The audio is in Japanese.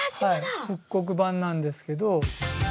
これは復刻版なんですけど。